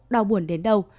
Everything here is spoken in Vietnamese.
đau buồn đến đâu